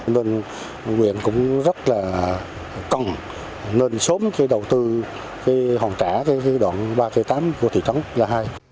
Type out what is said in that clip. nên nguyện cũng rất là cần nên sớm đầu tư hỏng trả đoạn ba tám của thị trấn là hai